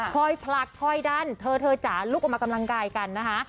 ค่อยพลักค่อยดั้นเธอจ๋าลุกออกมากำลังกายกันนะฮะ